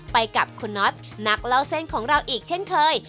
ไปกับคุณน็อตนักเล่าเส้นของเราอีกเช่นเคย